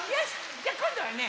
じゃあこんどはね